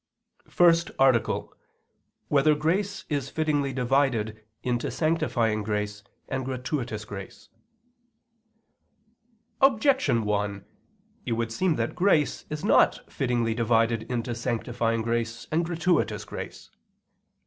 ________________________ FIRST ARTICLE [I II, Q. 111, Art. 1] Whether Grace Is Fittingly Divided into Sanctifying Grace and Gratuitous Grace? Objection 1: It would seem that grace is not fittingly divided into sanctifying grace and gratuitous grace.